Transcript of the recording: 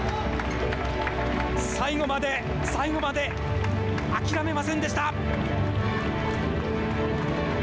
最後まで、最後まで諦めませんでした。